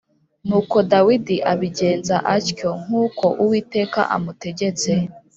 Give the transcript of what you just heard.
Nuko Dawidi abigenza atyo nk’uko Uwiteka amutegetse